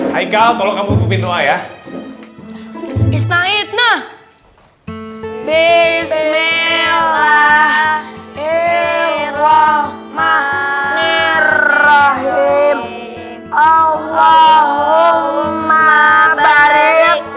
hai kau kalau kamu pindah ya istana bismillahirrohmanirrohim allahumma barik